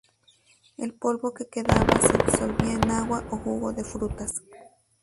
El polvo que quedaba se disolvía en agua o jugo de frutas.